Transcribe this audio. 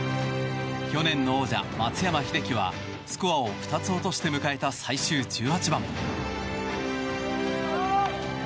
去年の王者、松山英樹はスコアを２つ落として迎えた最終１８番。